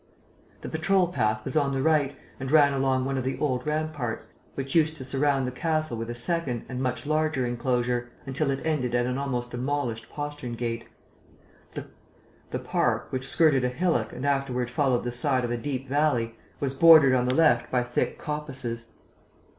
The patrol path was on the right and ran along one of the old ramparts, which used to surround the castle with a second and much larger enclosure, until it ended at an almost demolished postern gate. The park, which skirted a hillock and afterward followed the side of a deep valley, was bordered on the left by thick coppices.